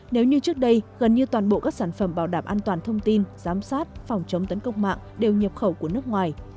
nếu như trước đây gần như toàn bộ các sản phẩm bảo đảm an toàn thông tin giám sát phòng chống tấn công mạng đều nhập khẩu của nước ngoài